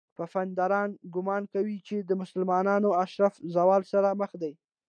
پفاندر ګومان کاوه چې د مسلمانانو اشراف زوال سره مخ دي.